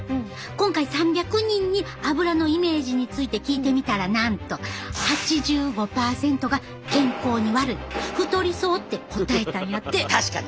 今回３００人にアブラのイメージについて聞いてみたらなんと８５％が健康に悪い太りそうって答えたんやって。